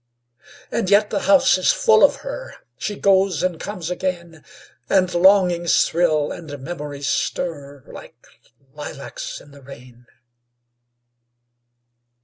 And yet the house is full of her; She goes and comes again; And longings thrill, and memories stir, Like lilacs in the rain.